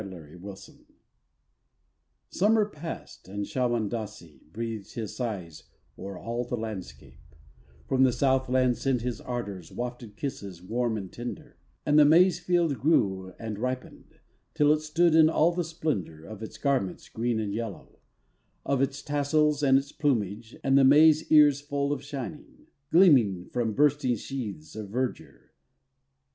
MONDAMIN Summer passed and Shawondasee Breathed his sighs o'er all the landscape, From the South land sent his ardours, Wafted kisses warm and tender; And the maize field grew and ripened, Till it stood in all the splendour Of its garments green and yellow, Of its tassels and its plumage, And the maize ears full of shining Gleamed from bursting sheaths of verdure.